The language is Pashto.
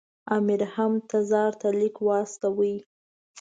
امیر هم تزار ته لیک واستاوه.